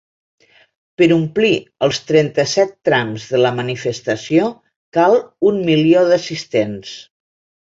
Per omplir els trenta-set trams de la manifestació, cal un milió d’assistents.